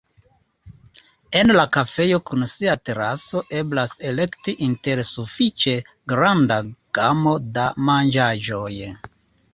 En la kafejo kun sia teraso eblas elekti inter sufiĉe granda gamo da manĝaĵoj.